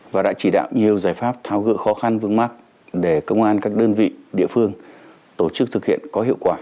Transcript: và đã chỉ đạo nhiều giải pháp thao gỡ khó khăn vương mắc để công an các đơn vị địa phương tổ chức thực hiện có hiệu quả